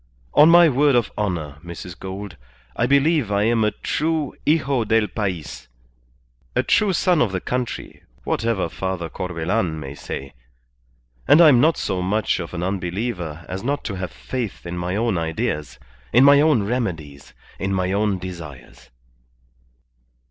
On my word of honour, Mrs. Gould, I believe I am a true hijo del pays, a true son of the country, whatever Father Corbelan may say. And I'm not so much of an unbeliever as not to have faith in my own ideas, in my own remedies, in my own desires."